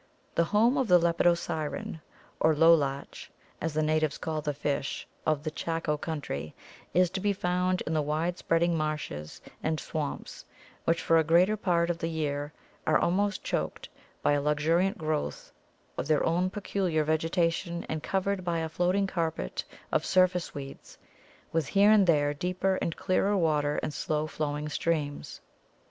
"The home of the Lepidosiren (or 'Lolach,' as the natives call the fish), of the Chaco country, is to be found in the wide spreading marshes and swamps, which for a great part of the year are almost choked by a luxuriant growth of their own peculiar vegetation and covered by a floating carpet of surface weeds, with here and there deeper and clearer water and slow flowing streams.